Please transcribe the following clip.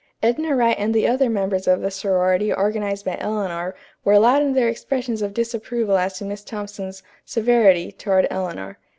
Edna Wright and the other members of the sorority organized by Eleanor were loud in their expressions of disapproval as to Miss Thompson's "severity" toward Eleanor.